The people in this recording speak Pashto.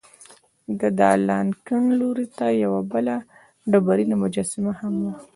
د دالان کیڼ لور ته یوه بله ډبرینه مجسمه هم وه.